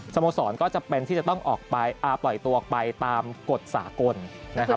โมสรก็จำเป็นที่จะต้องออกไปปล่อยตัวออกไปตามกฎสากลนะครับ